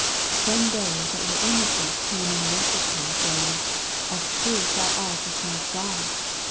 33 Tnen they that were in tfaeshit> come and worshipped him, saying. Of a truth thou art tne Bon of God.